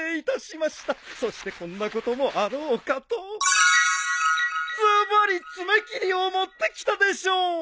そしてこんなこともあろうかとズバリ爪切りを持ってきたでしょう。